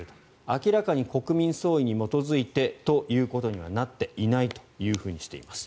明らかに国民総意に基づいてということにはなっていないとしています。